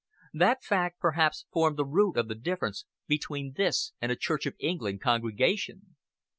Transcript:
That fact perhaps formed the root of the difference between this and a Church of England congregation.